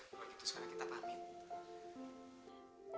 udah gitu sekarang kita pamit